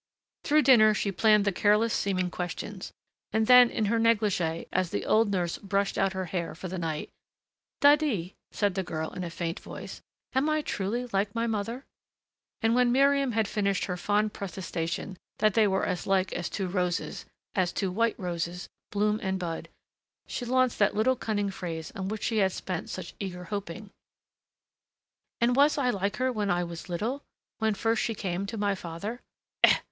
Through dinner she planned the careless seeming questions. And then in her negligée, as the old nurse brushed out her hair for the night, "Dadi," said the girl, in a faint voice, "am I truly like my mother?" and when Miriam had finished her fond protestation that they were as like as two roses, as two white roses, bloom and bud, she launched that little cunning phrase on which she had spent such eager hoping. "And was I like her when I was little when first she came to my father?"